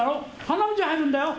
花道へ入るんだよ。